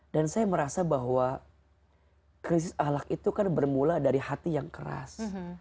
dan saya merasa bahwa krisis akhlak itu kan bermula dari hati yang keras